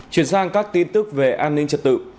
chuyển sang các tin tức về an ninh trật tự